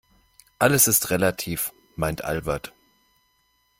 Alles ist relativ, meint Albert.